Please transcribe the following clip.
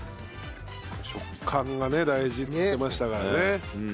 食感が大事って言ってましたからね。